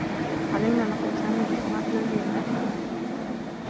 علينا نقل سامي بسرعة إلى العيادة.